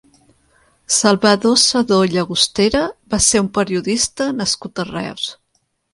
Salvador Sedó Llagostera va ser un periodista nascut a Reus.